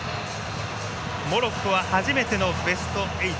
モロッコは、初めてのベスト８。